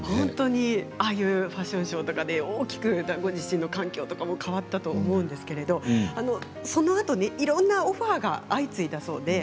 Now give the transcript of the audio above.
ああいうファッションショーで大きくご自身の環境も変わったと思うんですけれどそのあといろんなオファーが相次いだそうです。